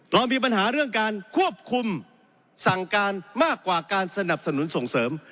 เรามีปัญหาเรื่องการควบคุมสั่งการมากกว่าการสนับสนุนส่งเสริม